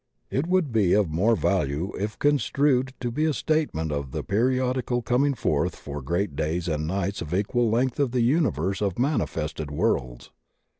It would be of more value if construed to be a statement of the periodical coming forth for great days and nights of equal length of the universe of manifested worlds.